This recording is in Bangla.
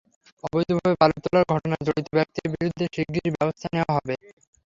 অবৈধভাবে বালু তোলার ঘটনায় জড়িত ব্যক্তিদের বিরুদ্ধে শিগগিরই ব্যবস্থা নেওয়া হবে।